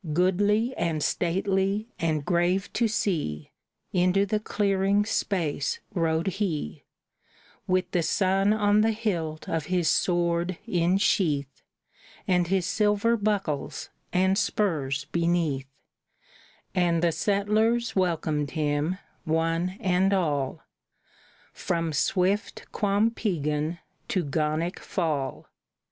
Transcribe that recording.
Goodly and stately and grave to see, Into the clearing's space rode he, With the sun on the hilt of his sword in sheath, And his silver buckles and spurs beneath, And the settlers welcomed him, one and all, From swift Quampeagan to Gonic Fall.